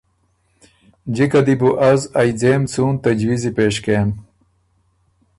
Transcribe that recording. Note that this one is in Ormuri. جِکه دی بو از ائ ځېم څُون تجویزی پېش کېم۔